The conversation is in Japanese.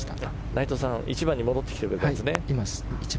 内藤さん、１番に戻ってきてくれたんですね。